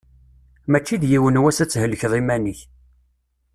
Mačči d yiwen wass ad thelkeḍ iman-ik.